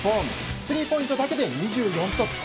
スリーポイントだけで２４得点。